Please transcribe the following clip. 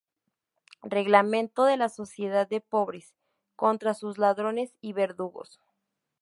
Reglamento de la Sociedad de Pobres, contra sus ladrones y verdugos.